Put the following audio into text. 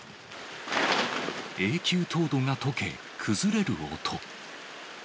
永久凍土がとけ、崩れる音。